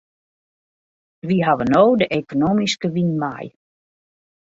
Wy hawwe no de ekonomyske wyn mei.